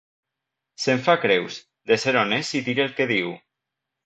Se'n fa creus, de ser on és i dir el que diu.